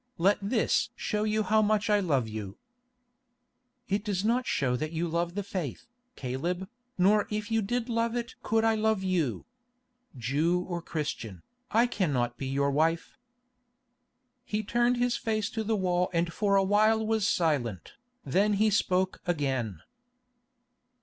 Let this show you how much I love you." "It does not show that you love the faith, Caleb, nor if you did love it could I love you. Jew or Christian, I cannot be your wife." He turned his face to the wall and for a while was silent. Then he spoke again.